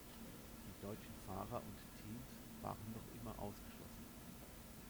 Die deutschen Fahrer und Teams waren noch immer ausgeschlossen.